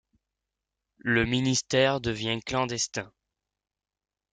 Le ministère devient clandestin.